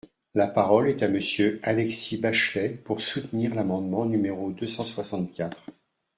La parole est à Monsieur Alexis Bachelay, pour soutenir l’amendement numéro deux cent soixante-quatre.